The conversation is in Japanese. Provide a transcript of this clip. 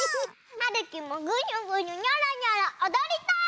はるきもぐにゅぐにゅにょろにょろおどりたい！